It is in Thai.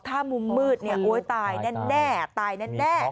ถ้ามุ่งมืดโอ๊ยตายแน่ตายแน่